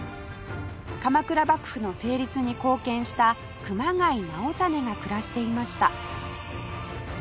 鎌倉幕府の成立に貢献した熊谷直実が暮らしていました